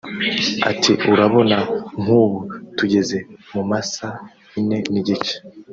Ati” urabona nk’ubu tugeze mu ma saa ine n’igice